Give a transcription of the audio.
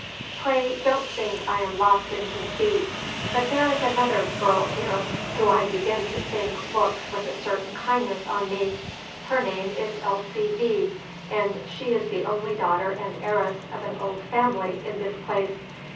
Pray, don't think I am lost in conceit, but there is another girl here who I begin to think looks with a certain kindness on me. Her name is Elsie V., and she is the only daughter and heiress of an old family in this place.